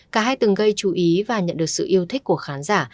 cả hai từng gây chú ý và nhận được sự yêu thích của khán giả